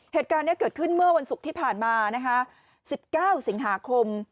เหตุการณ์นี้เกิดขึ้นเมื่อวันศุกร์ที่ผ่านมานะคะ๑๙สิงหาคม